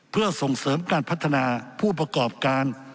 เพื่อส่งเสริมการพัฒนาผู้ประกอบการ